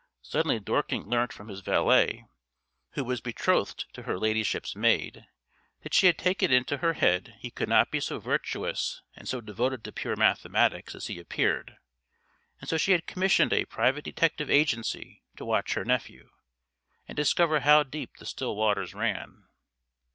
Suddenly Dorking learnt from his valet, who was betrothed to her ladyship's maid, that she had taken it into her head he could not be so virtuous and so devoted to pure mathematics as he appeared, and so she had commissioned a private detective agency to watch her nephew, and discover how deep the still waters ran.